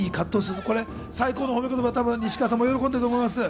最高の褒め言葉で西川さんも喜んでいると思います。